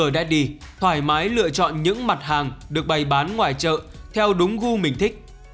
sugar daddy thoải mái lựa chọn những mặt hàng được bày bán ngoài chợ theo đúng gu mình thích